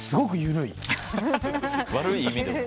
悪い意味でも。